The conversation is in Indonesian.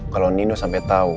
kalau nino sampai tau